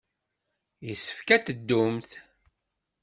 Yessefk ad teddumt.